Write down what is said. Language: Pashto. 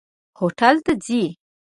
هوټل ته ځئ؟